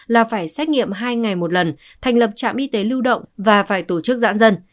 là phải xét nghiệm hai ngày một lần thành lập trạm y tế lưu động và phải tổ chức giãn dân